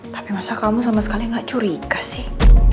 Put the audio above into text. tapi masa kamu sama sekali gak curiga sih